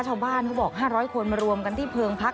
เขาบอก๕๐๐คนมารวมกันที่เพิงพัก